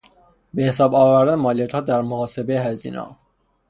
به حساب آوردن مالیاتها در محاسبه هزینهها